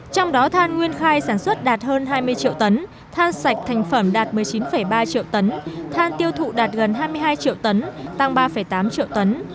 trong đó than nguyên khai sản xuất đạt hơn hai mươi triệu tấn than sạch thành phẩm đạt một mươi chín ba triệu tấn than tiêu thụ đạt gần hai mươi hai triệu tấn tăng ba tám triệu tấn